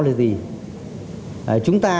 là gì chúng ta